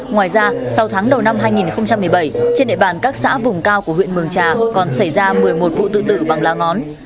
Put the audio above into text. ngoài ra sau tháng đầu năm hai nghìn một mươi bảy trên địa bàn các xã vùng cao của huyện mường trà còn xảy ra một mươi một vụ tự tử bằng lá ngón